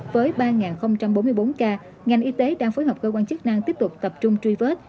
với ba bốn mươi bốn ca ngành y tế đang phối hợp cơ quan chức năng tiếp tục tập trung truy vết